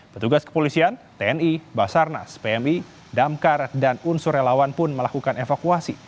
petugas kepolisian tni basarnas pmi damkar dan unsur relawan pun melakukan evakuasi